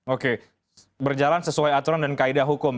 oke berjalan sesuai aturan dan kaedah hukum